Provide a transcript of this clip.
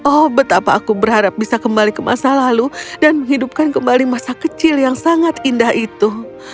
oh betapa aku berharap bisa kembali ke masa lalu dan menghidupkan kembali masa kecil yang sangat indah itu